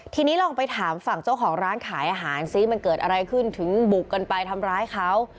ทีนี้ลองไปถามฝั่งเจ้าของร้านขายอาหารซิมันเกิดอะไรขึ้นถึงบุกกันไปทำร้ายเขา